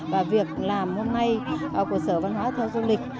và việc làm hôm nay của sở văn hóa thể thao du lịch